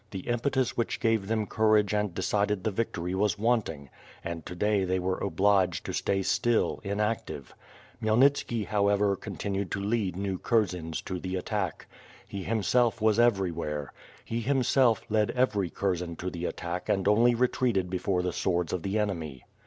The impetus which gave them courage and decided the victory was wanting, and to day they were obliged to stay still, inactive. Khmyelnitski however continued to lead new kurzens to the attack. lie, himself, was every where. He, himself, led every kurzen to the attack and only retreated before the swords of the enemy.